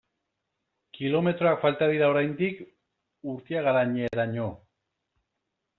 Kilometroak falta dira oraindik Urtiagaineraino.